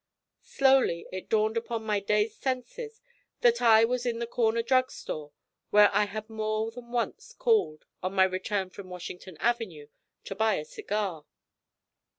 Slowly it dawned upon my dazed senses that I was in the corner drug store where I had more than once called, on my return from Washington Avenue, to buy a cigar.